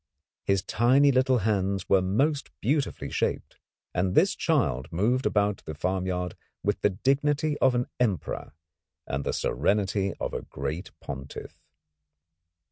His tiny little hands were most beautifully shaped, and this child moved about the farmyard with the dignity of an Emperor and the serenity of a great Pontiff.